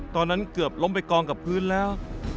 ตอนนั้นเกือบล้มไปกองกับพื้นแล้ว